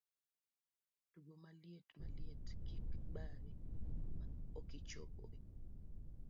Tugo Maliet Maliet, kik ibari ma okichopo eeee!